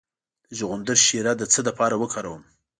د چغندر شیره د څه لپاره وکاروم؟